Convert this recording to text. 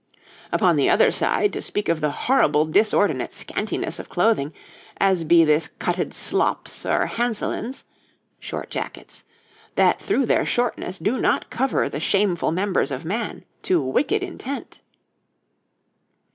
'Upon the other side, to speak of the horrible disordinate scantiness of clothing, as be this cutted sloppes or hainselins (short jackets), that through their shortness do not cover the shameful members of man, to wicked intent.'